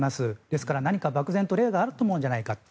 ですから、何かばくぜんと例があるんじゃないかと。